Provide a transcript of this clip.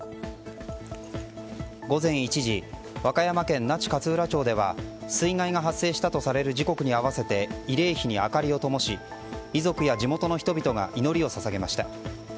午前１時和歌山県那智勝浦町では水害が発生したとされる時刻に合わせて慰霊碑に明かりをともし遺族や地元の人々が祈りを捧げました。